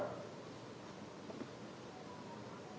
seluruh kader partai demokrat